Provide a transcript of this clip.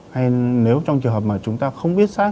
hay nếu trong trường hợp mà chúng ta không biết sát